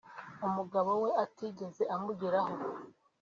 umugabo we atigeze amugeraho